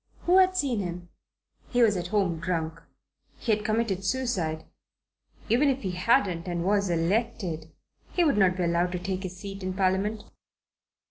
Who had seen him? He was at home drunk. He had committed suicide. Even if he hadn't, and was elected, he would not be allowed to take his seat in Parliament.